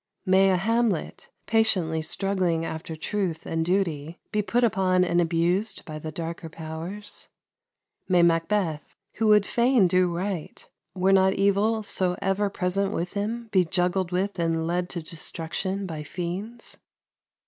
May a Hamlet, patiently struggling after truth and duty, be put upon and abused by the darker powers? May Macbeth, who would fain do right, were not evil so ever present with him, be juggled with and led to destruction by fiends?